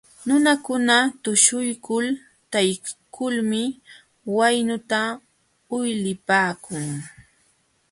Nunakuna tuśhuykul takiykulmi waynuta uylipaakun.